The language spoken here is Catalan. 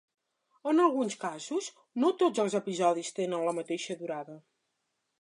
En alguns casos no tots els episodis tenen la mateixa durada.